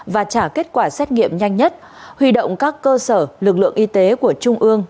và trả kết quả xét nghiệm nhanh nhất huy động các cơ sở lực lượng y tế của trung ương